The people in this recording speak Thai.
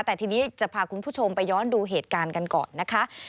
แต่ทีนี้จะพาคุณผู้ชมไปย้อนดูเหตุการณ์กันก่อนนะคะ